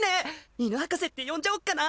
犬博士って呼んじゃおっかな。